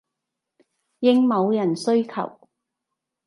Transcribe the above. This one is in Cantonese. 應某人需求